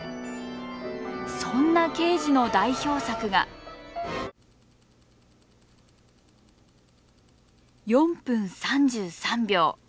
そんなケージの代表作が「４分３３秒」。